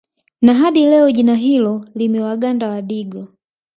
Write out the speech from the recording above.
Na hadi leo jina hilo limewaganda Wadigo